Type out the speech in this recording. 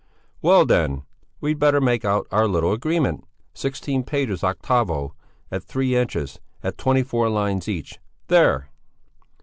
"Well then! We'd better make out a little agreement. Sixteen pages octavo, at three inches, at twenty four lines each. There!"